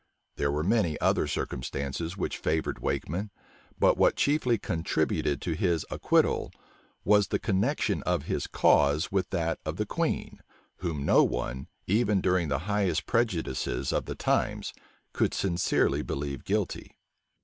There were many other circumstances which favored Wakeman: but what chiefly contributed to his acquittal, was the connection of his cause with that of the queen, whom no one, even during the highest prejudices of the times, could sincerely believe guilty.